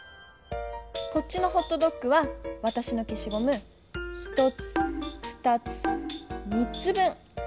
こっちのホットドッグはわたしのけしごむ１つ２つ３つ分。